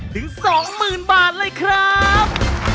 ถึง๒๐๐๐บาทเลยครับ